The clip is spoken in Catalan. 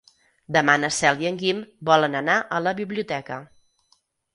Demà na Cel i en Guim volen anar a la biblioteca.